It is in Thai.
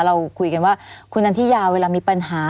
เราคุยกันว่าคุณนันทิยาเวลามีปัญหา